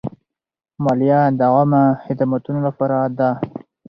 مالیه د عامه خدمتونو لپاره ده.